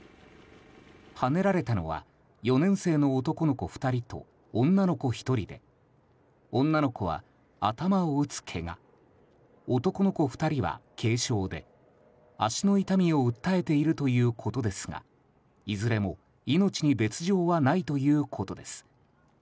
はねられたのは、４年生の男の子２人と女の子１人で女の子は頭を打つけが男の子２人は軽傷で足の痛みを訴えているということですがいずれも命に別条はないということです。